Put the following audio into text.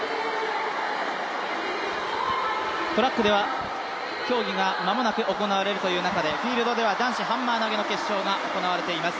トラックでは競技が間もなく行われるという中でフィールドでは男子ハンマー投げの決勝が行われています。